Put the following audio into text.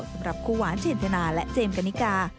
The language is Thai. สำหรับคู่หวานเจนจนาและเจมส์กันนิกา